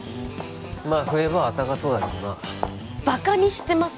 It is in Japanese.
まあ冬場はあったかそうだけどなバカにしてます？